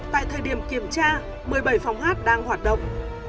tại thời điểm kiểm tra một mươi bảy phòng hát đang hoạt động